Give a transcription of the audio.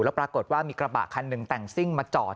แล้วปรากฏว่ามีกระบะคันหนึ่งแต่งซิ่งมาจอด